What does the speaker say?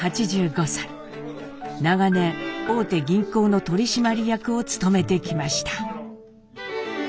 長年大手銀行の取締役を務めてきました。